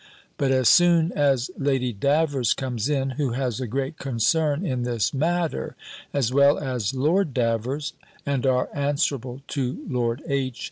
But as soon as Lady Davers comes in, who has a great concern in this matter, as well as Lord Davers, and are answerable to Lord H.